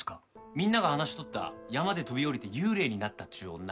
みんなが話しとった山で飛び降りて幽霊になったっちゅう女。